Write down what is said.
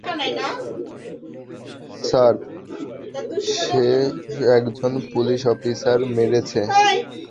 Sir, সে একজন police অফিসারকে মেরেছে।